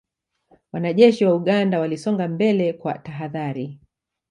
Wanajeshi wa Uganda walisonga mbele kwa tahadhari